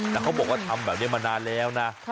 แต่เขาบอกว่าทำแบบนี้มานานแล้วนะ